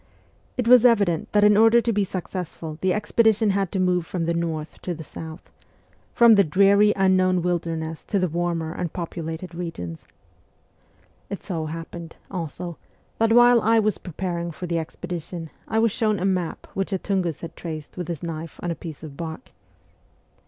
It \vas evident that in order to be successful the expedi tion had to move from the north to the south from the dreary unknown wilderness to the warmer and populated regions. It so happened, also, that while I was preparing for the expedition I was shown a map which a Tungus had traced with his knife on a piece of bark.